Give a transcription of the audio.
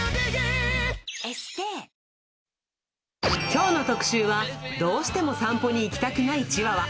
きょうの特集は、どうしても散歩に行きたくないチワワ。